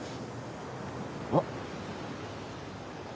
あっ。